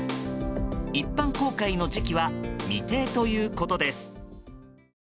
一般公開の時期は未定ということです。